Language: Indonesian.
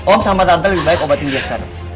om sama tante lebih baik obatin dia sekarang